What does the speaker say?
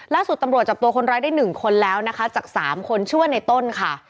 ล่าสุดตำรวจจับตัวคนร้ายได้๑คนแล้วนะคะจาก๓คนชื่อว่าในต้นค่ะ